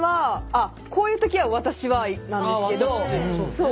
そう。